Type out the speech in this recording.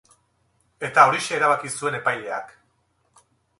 Eta horixe erabaki zuen epaileak.